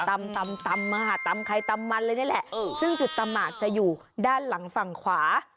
ตำตำมาตำไข่ตำมันเลยนี่แหละซึ่งจุดตำหมากจะอยู่ด้านหลังฝั่งขวา